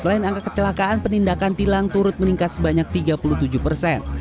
selain angka kecelakaan penindakan tilang turut meningkat sebanyak tiga puluh tujuh persen